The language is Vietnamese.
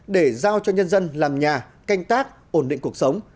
để giao cho nhân dân làm nhà canh tác ổn định cuộc sống